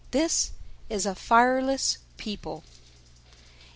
This is a fireless people."